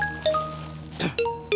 keh gini ya